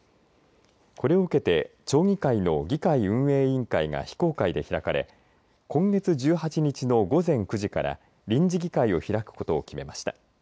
これを受けて町議会の議会運営委員会が非公開で開かれ今月１８日の午前９時から臨時議会を開くことを決めました。